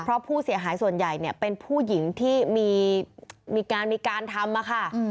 เพราะผู้เสียหายส่วนใหญ่เป็นผู้หญิงที่มีการทำ